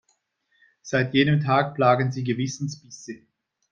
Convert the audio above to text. Seit jenem Tag plagen sie Gewissensbisse.